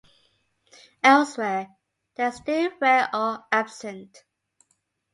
Elsewhere, they are still rare or absent.